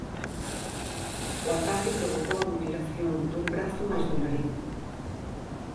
O ataque provocou a mutilación dun brazo mais do nariz.